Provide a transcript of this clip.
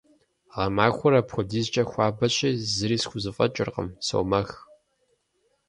Гъэмахуэр апхуэдизкӀэ хуабэщи, зыри схузэфӀэкӀыркъым, сомэх.